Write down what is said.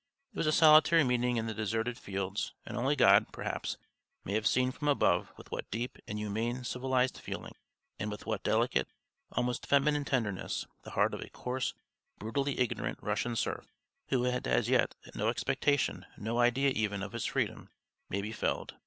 It was a solitary meeting in the deserted fields, and only God, perhaps, may have seen from above with what deep and humane civilised feeling, and with what delicate, almost feminine tenderness, the heart of a coarse, brutally ignorant Russian serf, who had as yet no expectation, no idea even of his freedom, may be filled.